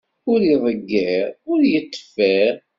Ur ideyyir, ur iṭṭeffiṛ.